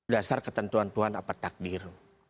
dasar ketentuan tuhan apa takbir